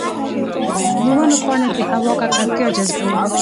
د ونو پاڼې د هوا ککړتیا جذبوي.